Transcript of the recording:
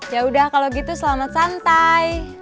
ya udah kalau gitu selamat santai